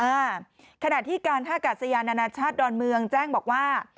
ขณะที่การท่ากาศยานานาชาติดอนเมืองแจ้งบอกว่า